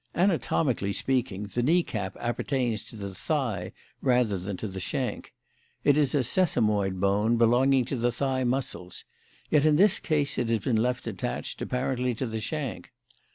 Anatomically speaking, the knee cap appertains to the thigh rather than to the shank. It is a sesamoid bone belonging to the thigh muscles; yet in this case it has been left attached, apparently, to the shank.